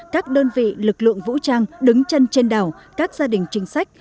các đơn vị lực lượng vũ trang đứng chân trên đảo các gia đình chính sách